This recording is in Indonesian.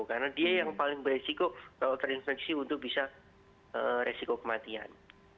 karena dia yang paling berisiko kalau terinfeksi untuk bisa risiko kematian